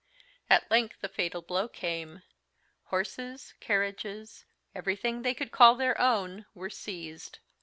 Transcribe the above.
At length the fatal blow came. Horses, carriages, everything they could call their own, were seized.